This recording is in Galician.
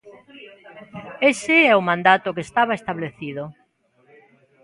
Ese é o mandato que estaba establecido.